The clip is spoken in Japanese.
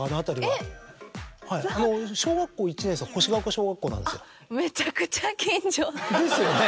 えっ！小学校１年生星ヶ丘小学校なんです。ですよね。